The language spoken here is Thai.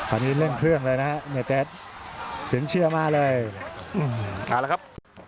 อันนี้เร่งเครื่องเลยนะครับเนียเตสสินเชื่อมาเลยมาแล้วครับ